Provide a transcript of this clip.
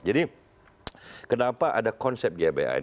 jadi kenapa ada konsep gbhn